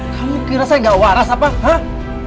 kamu kira saya gak waras apa hak